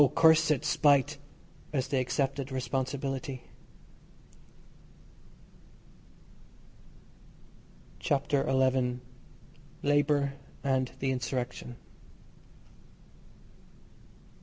cursed spite," as they accepted responsibility. CHAPTER XI LABOUR AND THE INSURRECTION.